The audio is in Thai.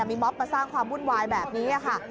มีม็อบมาสร้างความวุ่นวายแบบนี้ค่ะ